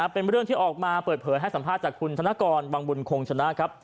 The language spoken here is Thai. เป็นเรื่องที่ออกมาเปิดเผยให้สัมภาษณ์จากคุณธนกรวังบุญคงชนะครับ